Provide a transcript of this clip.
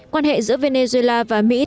quan hệ giữa venezuela và mỹ